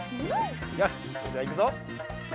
よしではいくぞ。